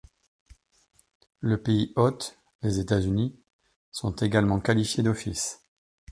Le pays hôte, les États-Unis, sont également qualifiés d'office.